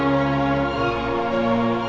sampai ibu hanya nyuruh